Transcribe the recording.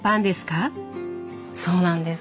そうなんです。